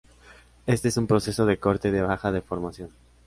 Este es un proceso de corte de baja deformación.